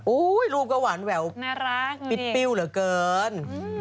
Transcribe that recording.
โอ๊ยรูปก็หวานแบบปิ๊บปิ้วเหลือเกิน